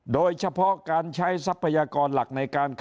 โดยเฉพาะการใช้ทรัพยากรหลักในการ